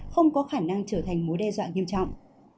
không có khả năng trở thành mối đe dọa nghiêm trọng